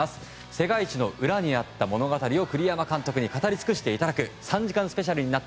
世界一の裏にあった物語を栗山監督に語りつくしていただく３時間スペシャルです。